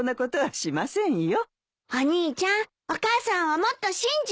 お兄ちゃんお母さんをもっと信じて。